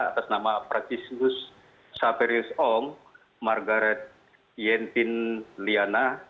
atas nama praxisus saperius ong margaret yentin liana